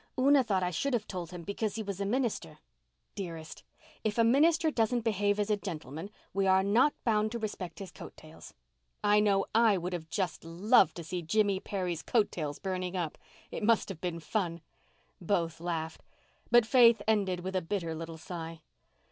"Una thought I should have told him because he was a minister." "Dearest, if a minister doesn't behave as a gentleman we are not bound to respect his coat tails. I know I would just have loved to see Jimmy Perry's coat tails burning up. It must have been fun." Both laughed; but Faith ended with a bitter little sigh.